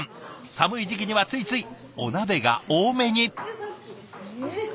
寒い時期にはついついお鍋が多めに。